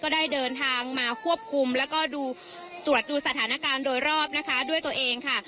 ได้เดินทางมาควบคุมแล้วก็ดูตรวจดูสถานการณ์โดยรอบนะคะด้วยตัวเองค่ะ